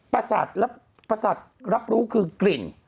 ประสาทรับรู้คือกลิ่น